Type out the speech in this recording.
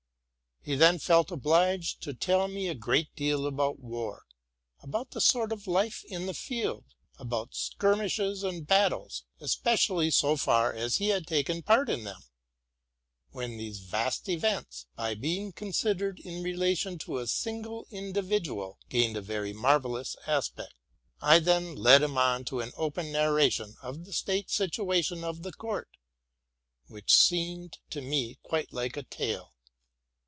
He then felt obliged to tell me a great deal about war, about the sort of life in the field, about 'skir mishes and battles, especially so far as he had taken part in them ; when these vast events, by being considered in relation to a single individual, gained a very marvellous aspect. I then led him on to an open narration of the late situation of the court, which seemed to me quite like a tale.